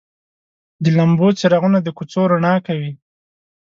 د لمبو څراغونه د کوڅو رڼا کوي.